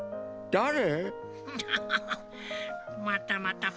だれ？